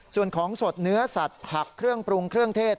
ส่วนของสดเนื้อสัตว์ผักเครื่องปรุงเครื่องเทศ